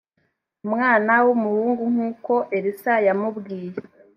umwana w umuhungu nk uko elisa yamubwiye